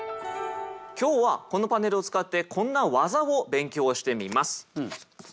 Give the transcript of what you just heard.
今日はこのパネルを使ってこんな技を勉強してみます。